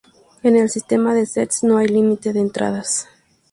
En el sistema de sets no hay límite de entradas.